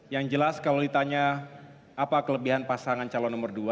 yang jelas kalau ditanya apa kelebihan pasangan calon nomor dua